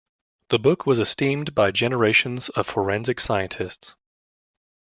The book was esteemed by generations of forensic scientists.